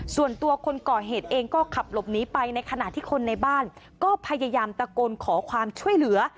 ส่วนตัวคนก่อเหตุเองก็ขับหลบหนีไปในขณะที่คนในบ้านก็พยายามตะโกนขอความช่วยเหลือ